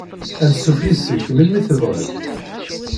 Ansuf yess-k melmi tebɣiḍ.